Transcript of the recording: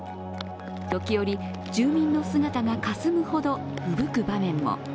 時折、住民の姿がかすむほどふぶく場面も。